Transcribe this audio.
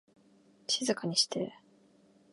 静かにして